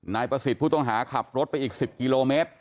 นายประสิทธิ์ผู้ต้องหาขับรถไปอีก๑๐กิโลเมตร